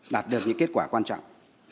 đạt được những kết quả quan trọng